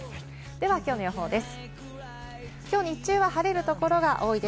では今日の予報です。